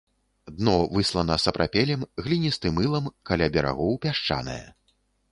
Дно выслана сапрапелем, гліністым ілам, каля берагоў пясчанае.